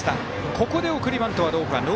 ここで送りバントはどうか。